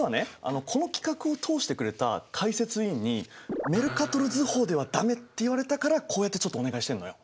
この企画を通してくれた解説委員に「メルカトル図法ではダメ！」って言われたからこうやってちょっとお願いしてんのよ。